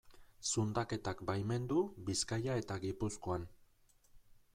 Zundaketak baimendu Bizkaia eta Gipuzkoan.